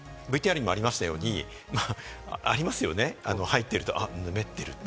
ＶＴＲにもありましたように、ありますよね、入ってると、あっ、ぬめってるって。